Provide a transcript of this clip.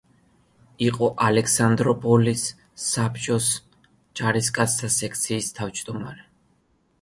იყო ალექსანდროპოლის საბჭოს ჯარისკაცთა სექციის თავმჯდომარე.